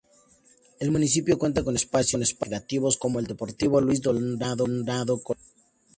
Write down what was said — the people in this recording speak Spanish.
El municipio cuenta con espacios recreativos como el deportivo Luis Donaldo Colosio.